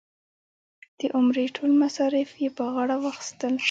د عمرې ټول مصارف یې په غاړه واخیستل.